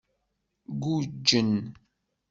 Guǧǧen.